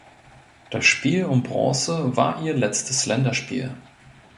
Das Spiel um Bronze war ihr letztes Länderspiel.